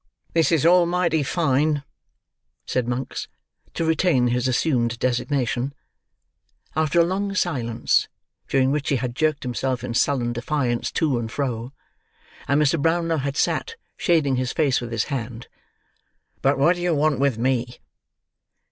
"This is all mighty fine," said Monks (to retain his assumed designation) after a long silence, during which he had jerked himself in sullen defiance to and fro, and Mr. Brownlow had sat, shading his face with his hand. "But what do you want with me?"